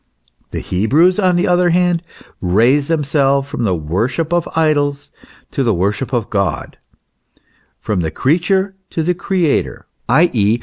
The Hebrews, on the other hand, raised themselves from the wor ship of idols to the worship of God, from the creature to the Creator; i. e.